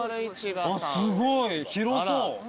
すごい広そう。